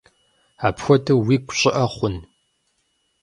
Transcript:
Апхуэдэу уигу щӀыӀэ хъун?